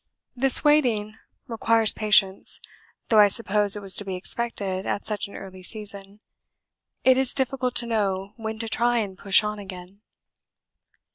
This waiting requires patience, though I suppose it was to be expected at such an early season. It is difficult to know when to try and push on again.